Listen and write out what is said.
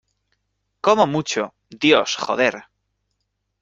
como mucho, Dios. joder .